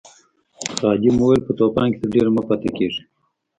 خادم وویل په طوفان کې تر ډېره مه پاتې کیږئ.